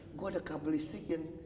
gue ada kabel listrik yang